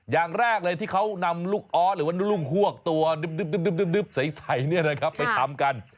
อย่างแรกเลยที่เขานำลูกออสหรือว่าลูกฮวกตัวดึ๊บใสไปทำกัน